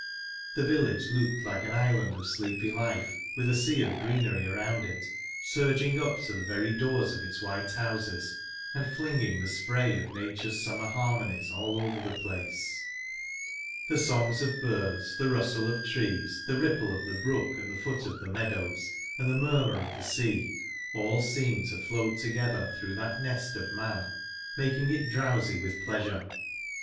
The village looked like an island of sleepy life, with a sea of greenery around it, surging up to the very doors of its white houses, and flinging the spray of nature's summer harmonies all over the place. The songs of birds, the rustle of trees, the ripple of the brook at the foot of the meadows and the murmur of the sea, all seem to float together through that nest of man, making it drowsy with pleasure.